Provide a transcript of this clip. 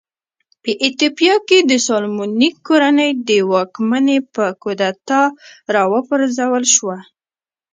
په ایتوپیا کې د سالومونیک کورنۍ واکمني په کودتا راوپرځول شوه.